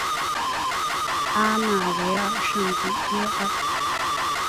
拉纳维尔圣皮耶尔。